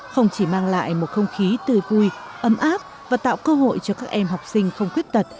không chỉ mang lại một không khí tươi vui ấm áp và tạo cơ hội cho các em học sinh không khuyết tật